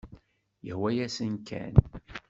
Yehwa-yasen kan.